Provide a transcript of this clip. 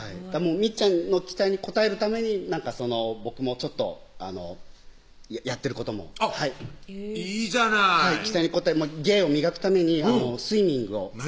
みっちゃんの期待に応えるために僕もやってることもいいじゃない期待に応え芸を磨くためにスイミングを何？